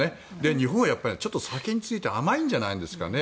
日本はちょっと、酒について甘いんじゃないんですかね。